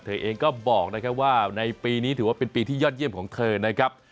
เธอเองก็บอกนะครับว่าในปีนี้ถือว่าเป็นปีที่ยอดเยี่ยมของเธอนะครับ